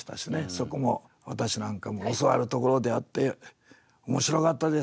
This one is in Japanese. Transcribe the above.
そこも私なんかも教わるところであって面白かったです。